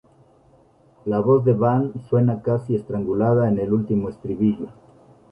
La voz de Van suena casi estrangulada en el último estribillo".